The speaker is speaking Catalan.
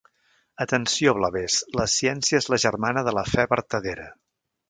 Atenció, blavers: la ciència és la germana de la fe vertadera.